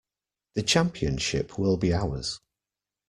The championship will be ours!